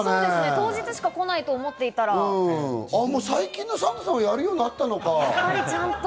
当日しか来ないと思っていた最近のサンタさんはやるようになったのか！